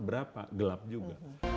berapa gelap juga